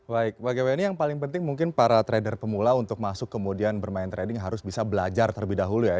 baik pak gw ini yang paling penting mungkin para trader pemula untuk masuk kemudian bermain trading harus bisa belajar terlebih dahulu ya